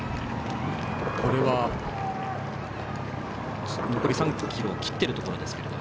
これは、残り３ｋｍを切っているところですけども。